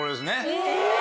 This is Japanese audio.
え！